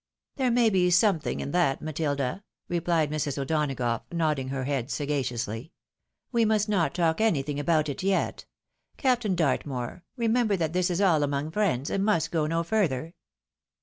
" There may be something in that, Matilda," replied Mrs. O'Donagough, nodding her head sagaciously. " We must not talk anything about it yet. Captain Dartmoor, remember that this is all among friends, and must go no further."